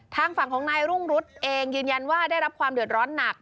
ทางฝั่งของนายรุ่งรุษเองยืนยันว่าได้รับความเดือดร้อนหนัก